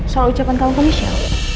soal ucapan tahun komis ya